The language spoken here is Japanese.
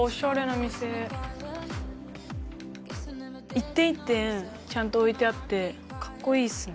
一点一点ちゃんと置いてあってかっこいいっすね。